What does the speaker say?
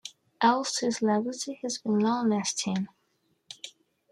Eustis' legacy has been long-lasting.